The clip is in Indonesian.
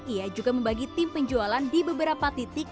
ia juga membagi tim penjualan di beberapa titik